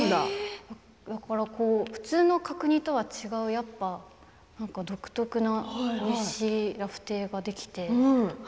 普通の角煮とは違うやっぱり独特なおいしいラフテーができて。